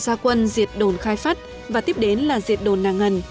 trận đầu ra quân diệt đồn khai phát và tiếp đến là diệt đồn nàng ngần